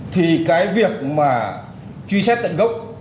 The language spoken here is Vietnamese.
thì cái việc mà truy xét tận gốc